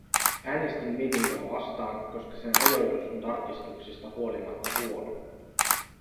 Äänestin mietintöä vastaan, koska sen ajoitus on tarkistuksista huolimatta huono.